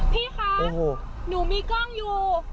พี่คะหนูมีกล้องอยู่